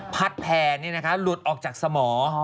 พัดแพร่นี่นะคะหลุดออกจากสมอ